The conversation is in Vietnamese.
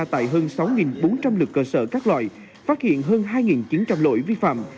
tại hơn sáu bốn trăm linh lực cơ sở các loại phát hiện hơn hai chín trăm linh lỗi vi phạm